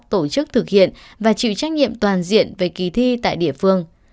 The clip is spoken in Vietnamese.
tổ chức thực hiện và chịu trách nhiệm toàn diện về kỳ thi tại địa phương